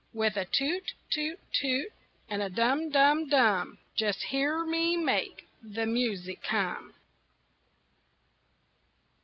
With a toot, toot, toot, and a dum, dum, dum, Just hear me make the music come!